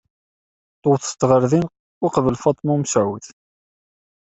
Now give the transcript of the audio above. Tuwḍeḍ ɣer din uqbel Faḍma Mesɛud.